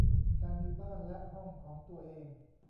การมีบ้านและห้องของตัวเอง